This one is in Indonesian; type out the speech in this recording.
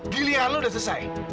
giliran lo udah selesai